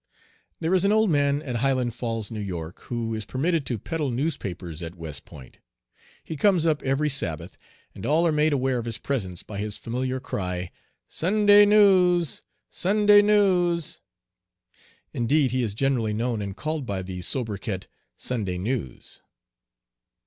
There is an old man at Highland Falls, N. Y., who is permitted to peddle newspapers at West Point. He comes up every Sabbath, and all are made aware of his presence by his familiar cry, "Sunday news! Sunday news!" Indeed, he is generally known and called by the soubriquet, "Sunday News."